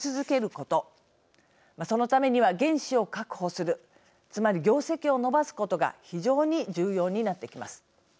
そのためには原資を確保するつまり業績を伸ばすことが非常に重要になってきます。